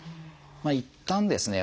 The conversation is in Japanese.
いったんですね